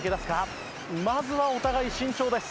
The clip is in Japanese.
まずはお互い慎重です。